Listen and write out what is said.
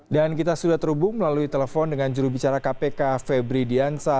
dan kita sudah terhubung melalui telepon dengan jurubicara kpk febri diansah